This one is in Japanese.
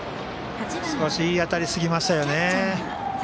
少しいい当たりすぎましたね。